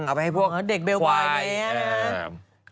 เอาไปให้พวกเด็กเบลบ่อยไปเนี่ยนะ